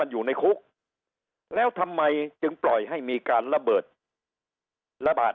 อยู่ในคุกแล้วทำไมจึงปล่อยให้มีการระเบิดระบาด